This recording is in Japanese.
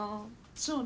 そうね。